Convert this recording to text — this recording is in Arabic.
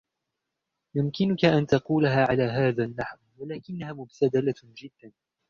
يمكنكَ أن تقولها على هذا النحو, ولكنها مُبتذلة جداَ.